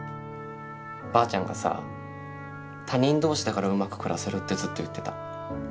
ばあちゃんがさ他人同士だからうまく暮らせるってずっと言ってた。